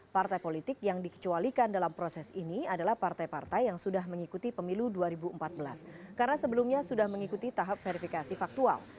partai politik yang dikecualikan dalam proses ini adalah partai partai yang sudah mengikuti pemilu dua ribu empat belas karena sebelumnya sudah mengikuti tahap verifikasi faktual